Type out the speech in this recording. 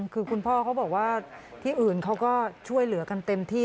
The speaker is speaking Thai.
คือคุณพ่อเขาบอกว่าที่อื่นเขาก็ช่วยเหลือกันเต็มที่